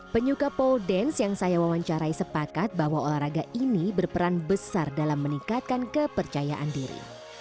penyuka pole dance yang saya wawancarai sepakat bahwa olahraga ini berperan besar dalam meningkatkan kepercayaan diri